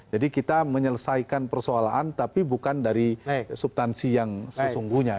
kita menyelesaikan persoalan tapi bukan dari subtansi yang sesungguhnya